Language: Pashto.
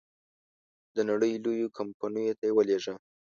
د نړی لویو کمپنیو ته یې ولېږه.